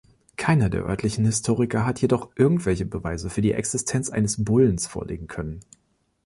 Keiner der örtlichen Historiker hat jedoch irgendwelche Beweise für die Existenz eines Bullens vorlegen können.